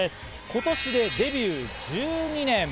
今年でデビュー１２年。